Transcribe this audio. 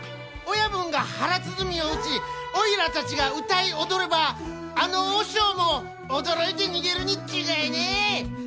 親分が腹鼓を打ちおいらたちが歌い踊ればあの和尚も驚いて逃げるに違いねえ！」